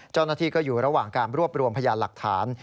เจ้าหน้าที่ก็อยู่ระหว่างการรวบรวมพยานหลักฐาน